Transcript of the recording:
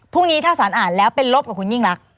พรุ่งนี้ถ้าสารอ่านแล้วเป็นลบกับคุณยิ่งรัก